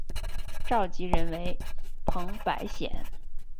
召集人为彭百显。